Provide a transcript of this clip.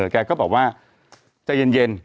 แกก็บอกว่าใจเย็น